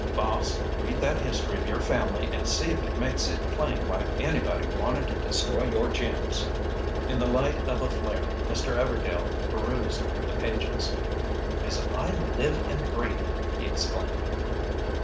"Boss, read that history of your family and see if it makes it plain why anybody wanted to destroy your gems." In the light of a flare, Mr. Everdail perused the pages. "As I live and breathe!" he exclaimed.